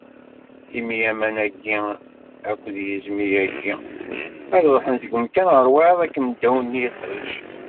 Imi aman-agi akked yiẓmi-agi, ad ruḥen seg umkan ɣer wayeḍ akken ddaw n yiṭij.